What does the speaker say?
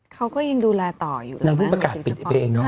เขาก็ยังดูแลต่ออยู่แล้วบ้างอยู่เฉพาะนางภูมิประกาศปิดไปเองเนอะ